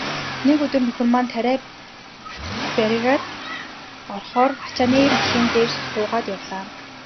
Нэг өдөр нөхөр маань тариа бригад орохоор ачааны машин дээр суугаад явлаа.